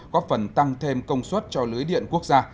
góp phần tăng thêm công suất cho lưới điện quốc gia